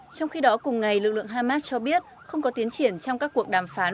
trong khi đó cùng ngày lực lượng hamas cho biết không có tiến triển trong các cuộc đàm phán